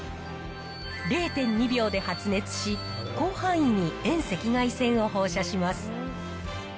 ０．２秒で発熱し、広範囲に遠赤外線を放射します。